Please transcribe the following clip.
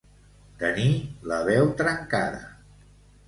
Tenir la veu trencada.